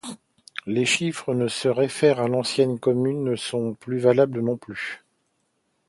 Les chiffres qui se réfèrent à l'ancienne commune ne sont plus valables non plus.